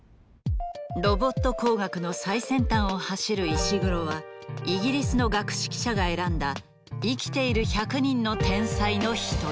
ロボット工学の最先端を走る石黒はイギリスの学識者が選んだ生きている１００人の天才の一人。